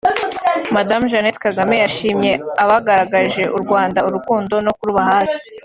Madame Jeannette Kagame yashimye abagaragarije u Rwanda urukundo no kuruba hafi